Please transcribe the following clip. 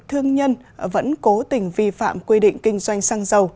thương nhân vẫn cố tình vi phạm quy định kinh doanh xăng dầu